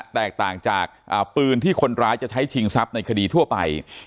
แตกต่างจากปืนที่คนร้ายจะใช้ชิงทรัพย์ในคดีทั่วไป